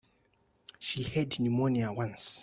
She had pneumonia once.